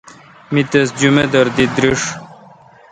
می تس جمدار دی درس۔